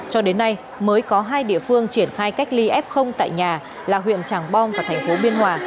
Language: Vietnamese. cho đến nay mới có hai địa phương triển khai cách ly f tại nhà là huyện tràng bom và thành phố biên hòa